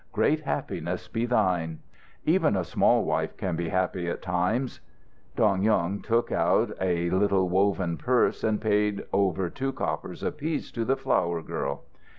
"Great happiness be thine!" "Even a small wife can be happy at times." Dong Yung took out a little woven purse and paid over two coppers apiece to the flower girl.